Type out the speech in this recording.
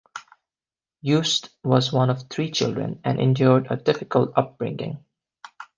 Joost was one of three children, and endured a difficult upbringing.